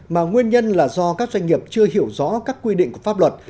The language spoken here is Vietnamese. mà nguyên nhân là do các doanh nghiệp chưa hiểu rõ các quy định của pháp luật